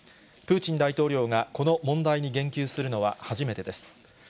プーチン大統領がこの問題に言及するのは初めてです。